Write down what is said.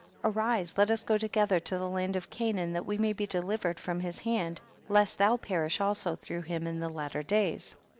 Arise, let us go together to the land of Canaan, that we maybe delivered from his hand, lest thou perish also through him in the latter days.